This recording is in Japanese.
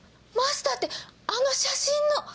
マスターってあの写真の。